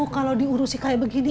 kalo diurusin kayak begini